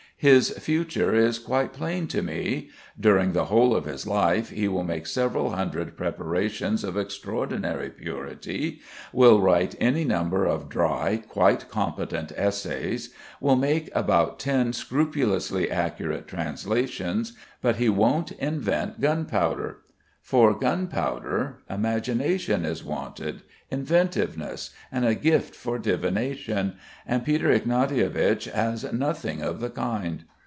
His future is quite plain to me. During the whole of his life he will make several hundred preparations of extraordinary purity, will write any number of dry, quite competent, essays, will make about ten scrupulously accurate translations; but he won't invent gunpowder. For gunpowder, imagination is wanted, inventiveness, and a gift for divination, and Peter Ignatievich has nothing of the kind.